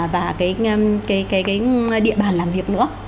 và cái địa bàn làm việc nữa